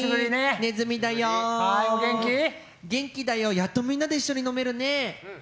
やっとみんなで一緒に飲めるね。